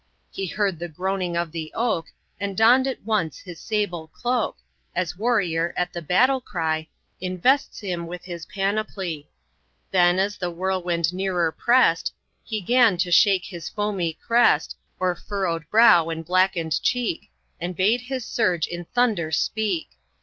He heard the groaning of the oak, And donn'd at once his sable cloak, As warrior, at the battle cry, Invests him with his panoply: Then, as the whirlwind nearer press'd He 'gan to shake his foamy crest O'er furrow'd brow and blacken'd cheek, And bade his surge in thunder speak.